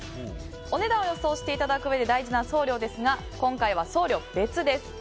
お値段を予想していただくうえで大事な送料ですが今回は送料別です。